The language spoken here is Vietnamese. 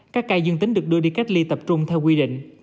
các ca dương tính được đưa đi cách ly tập trung theo quy định